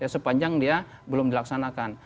sepanjang dia belum dilaksanakan